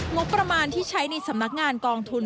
งบประมาณที่ใช้ในสำนักงานกองทุน